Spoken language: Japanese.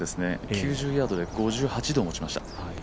９０ヤードで５８度を持ちました。